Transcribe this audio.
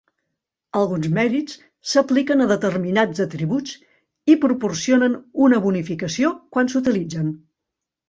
Alguns mèrits s'apliquen a determinats atributs i proporcionen una bonificació quan s'utilitzen.